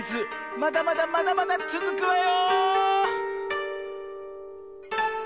まだまだまだまだつづくわよ！